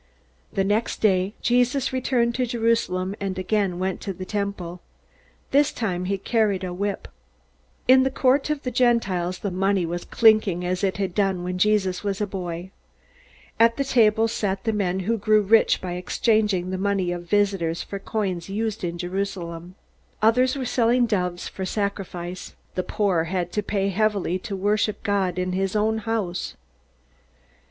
The next day Jesus returned to Jerusalem and again went to the Temple. This time he carried a whip. In the Court of the Gentiles the money was clinking as it had done when Jesus was a boy. At tables sat the men who grew rich by exchanging the money of visitors for coins used in Jerusalem. Others were selling doves for sacrifice. The poor had to pay heavily to worship God in his own house.